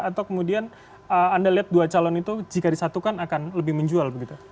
atau kemudian anda lihat dua calon itu jika disatukan akan lebih menjual begitu